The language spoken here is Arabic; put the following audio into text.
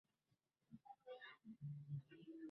أريد أن أسافر